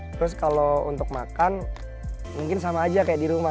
terus kalau untuk makan mungkin sama aja kayak di rumah